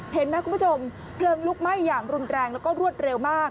เห็นไหมคุณผู้ชมเพลิงลุกไหม้อย่างรุนแรงแล้วก็รวดเร็วมาก